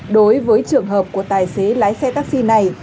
đối với trường hợp của tài xế lái xe taxi này